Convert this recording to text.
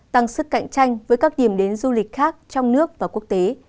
tăng sức cạnh tranh với các điểm đến du lịch khác trong nước và quốc tế